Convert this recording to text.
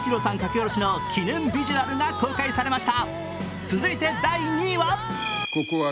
下ろしの記念ビジュアルが公開されました。